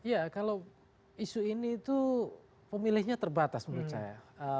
ya kalau isu ini itu pemilihnya terbatas menurut saya